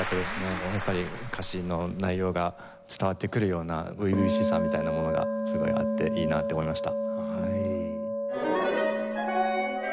もうやっぱり歌詞の内容が伝わってくるような初々しさみたいなものがあっていいなって思いました。